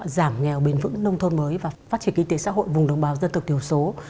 giảm nghèo bền vững nông thôn mới và phát triển kinh tế xã hội vùng đồng bào dân tộc thiểu số